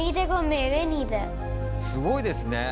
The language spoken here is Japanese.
すごいですね。